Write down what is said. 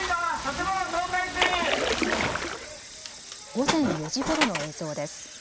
午前４時ごろの映像です。